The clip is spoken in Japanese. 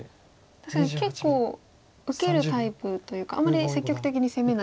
確かに結構受けるタイプというかあまり積極的に攻めないということも。